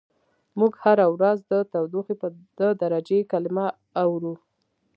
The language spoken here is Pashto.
موږ هره ورځ د تودوخې د درجې کلمه اورو.